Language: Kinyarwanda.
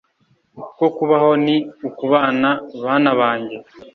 kuko “kubaho ni ukubana” bana bange.